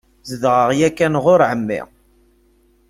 Zedɣeɣ yakan ɣur εemmi.